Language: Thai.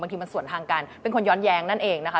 ทีมันส่วนทางกันเป็นคนย้อนแย้งนั่นเองนะคะ